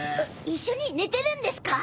一緒に寝てるんですか？